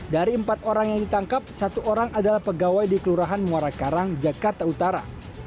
dari empat orang yang ditangkap satu orang adalah pegawai di kelurahan muara karang jakarta utara